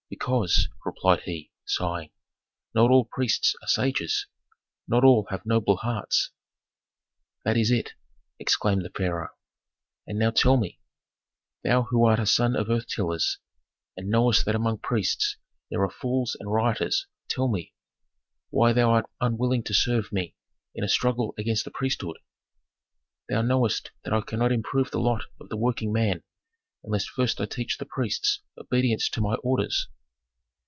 "Because," replied he, sighing, "not all priests are sages, not all have noble hearts." "That is it!" exclaimed the pharaoh. "And now tell me, thou who art a son of earth tillers, and knowest that among priests there are fools and rioters, tell me, why thou art unwilling to serve me in a struggle against the priesthood? Thou knowest that I cannot improve the lot of the working man unless first I teach the priests obedience to my orders."